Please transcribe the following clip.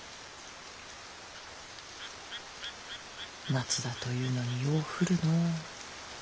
夏だというのによう降るの。